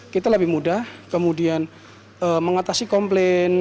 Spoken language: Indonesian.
kita lebih mudah kemudian mengatasi komplain